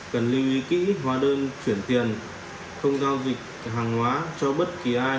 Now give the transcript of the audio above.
cần lưu ý kỹ hóa đơn chuyển tiền không giao dịch hàng hóa cho bất kỳ ai